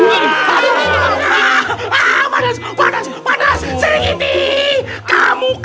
aduh aduh aduh aduh aduh aduh